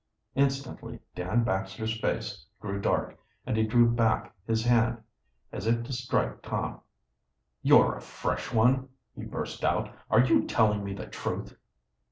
Instantly Dan Baxter's face grew dark, and he drew back his hand as if to strike Tom. "You're a fresh one!" he burst out. "Are you telling me the truth?"